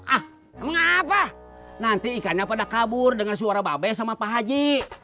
ah mengapa nanti ikannya pada kabur dengan suara babe sama pak haji